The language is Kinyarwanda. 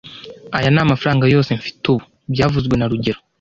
Aya ni amafaranga yose mfite ubu byavuzwe na rugero